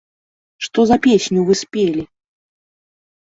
Што за песню вы спелі?